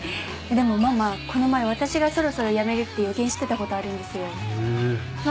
でもママこの前私がそろそろ辞めるって予言してたことあるんですよ。